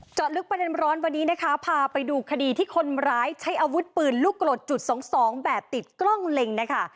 เจาะลึกประเด็นร้อนวันนี้นะคะพาไปดูคดีที่คนร้ายใช้อาวุธปืนลูกกรดจุดสองสองแบบติดกล้องเล็งนะคะ